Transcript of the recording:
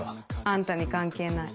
あんたに関係ない。